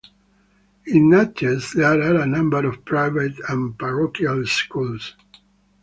In Natchez, there are a number of private and parochial schools.